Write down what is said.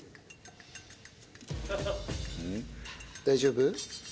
大丈夫？